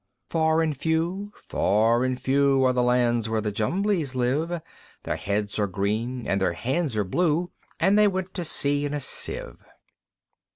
Far and few, far and few, Are the lands where the Jumblies live; Their heads are green, and their hands are blue, And they went to sea in a Sieve.